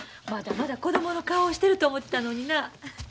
まだまだ子供の顔をしてると思てたのにな。